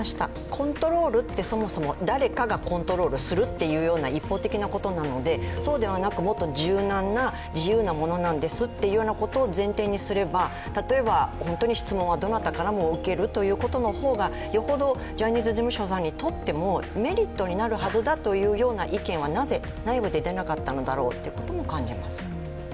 コントロールってそもそも誰かがコントロールするっていうような一方的なものなので、そうではなくもっと柔軟な自由なものなんですということを前提にすれば例えば、本当に質問はどなたからも受けるということの方が、よほどジャニーズ事務所さんにとってもメリットになるはずだという意見はなぜ内部で出なかったんだろうということも感じます。